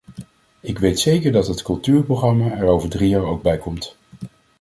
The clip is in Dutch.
Ik weet zeker dat het cultuurprogramma er over drie jaar ook bij komt.